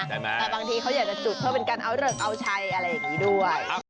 แต่บางทีเขาอยากจะจุดเพื่อเป็นการเอาเลิกเอาชัยอะไรอย่างนี้ด้วย